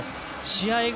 試合後